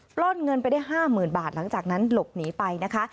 ปล้นเงินไปได้๕๐๐๐บาทหลังจากนั้นหลบหนีไปนะคะ